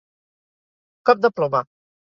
Cop de ploma.